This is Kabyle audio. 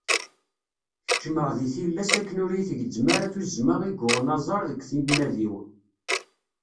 Keččmeɣ deg tillas akken ur iyi-tgezzem ara tuzzma i yuɣen aẓar deg timmad-iw.